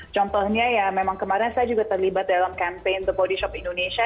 contohnya ya memang kemarin saya juga terlibat dalam campaign the body shop indonesia